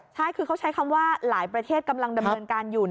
ใช่คือเขาใช้คำว่าหลายประเทศกำลังดำเนินการอยู่